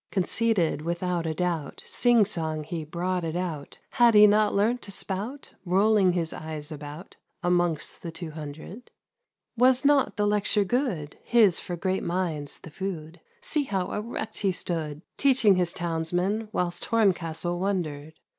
Conceited without a dbubt. Sing song he brought it out. Had he not learnt to spout, Rolling his eyes about. Amongst the two hundred. Was not the lecture good, His for great minds the food I See how erect he stood. Teaching his Townsmen, Whilst Horncastle wondered